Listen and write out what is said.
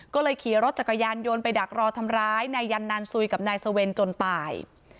ก็เลยขี่รถจักรยานยนต์ไปดักรอทำร้ายนายยันนานสุยกับนายสเวนจนตาย